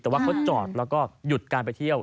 แต่ว่าเขาจอดแล้วก็หยุดการไปเที่ยว